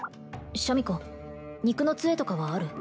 シャミ子肉の杖とかはある？